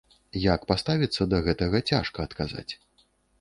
Як паставіцца да гэтага, цяжка адказаць.